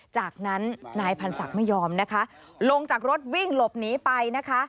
จากนั้นนายพันศักดิ์ไม่ยอมนะคะลงจากรถวิ่งหลบหนีไปนะคะ